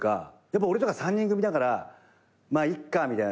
俺とか３人組だからまあいっかみたいな。